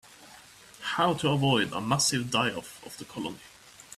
How to avoid a massive die-off of the colony.